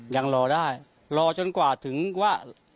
ยังรอได้รอจนกว่าถึงว่า